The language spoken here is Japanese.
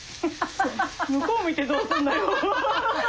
向こう向いてどうすんのよ。